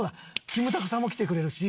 キムタクさんも来てくれるし。